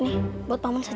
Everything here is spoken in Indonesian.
ini buat pak man saja